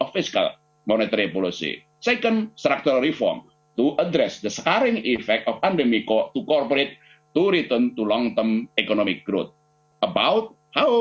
pertama reform struktural untuk menangani efek kering dari pandemi untuk berkongsi untuk kembali ke kembang ekonomi dalam masa panjang